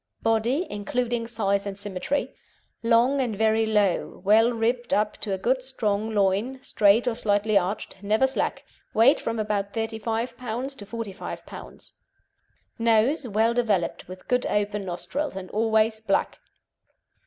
BODY (INCLUDING SIZE AND SYMMETRY) Long and very low, well ribbed up to a good strong loin, straight or slightly arched, never slack; weight from about 35 lbs. to 45 lbs. NOSE Well developed, with good open nostrils, and always black.